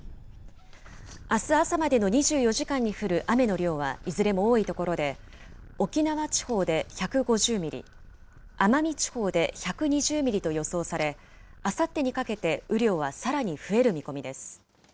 あす朝までの２４時間に降る雨の量は、いずれも多い所で、沖縄地方で１５０ミリ、奄美地方で１２０ミリと予想され、あさってにかけて雨量はさらに増える見込みです。